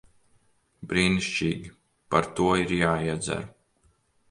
Brīnišķīgi. Par to ir jāiedzer.